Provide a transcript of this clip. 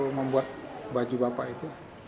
membuat baju bapak itu